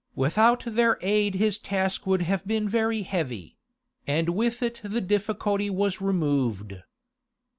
Without their aid his task would have been very heavy—with it the difficulty was removed.